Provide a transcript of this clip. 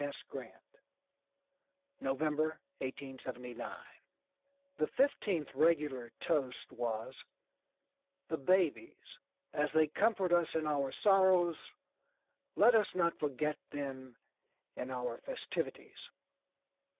S. GRANT, NOVEMBER, 1879 The fifteenth regular toast was “The Babies. As they comfort us in our sorrows, let us not forget them in our festivities.